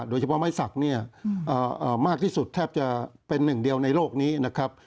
โดยเฉพาะไม้สักเนี่ยมากที่สุดแทบจะเป็นหนึ่งเดียวในโลกนี้นะครับ